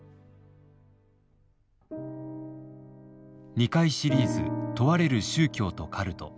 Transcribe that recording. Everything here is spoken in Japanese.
２回シリーズ「問われる宗教と“カルト”」。